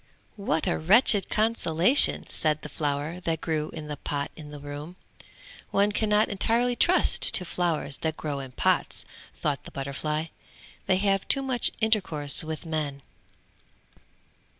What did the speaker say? "What a wretched consolation!" said the flower, that grew in the pot in the room. "One can not entirely trust to flowers that grow in pots," thought the butterfly, "they have too much intercourse with men."